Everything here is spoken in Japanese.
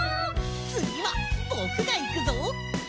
つぎはぼくがいくぞ！